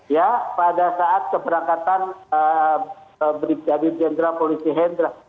ya pada saat keberangkatan brigadir jenderal polisi hendra